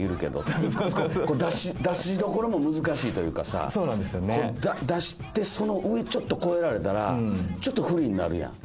出しどころも難しいというかさ出してその上ちょっと越えられたらちょっと不利になるやん。